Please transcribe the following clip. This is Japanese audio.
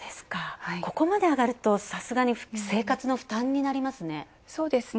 ここまで上がるとさすがに生活の負担になりますね。